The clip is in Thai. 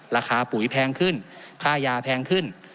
ปุ๋ยแพงขึ้นค่ายาแพงขึ้น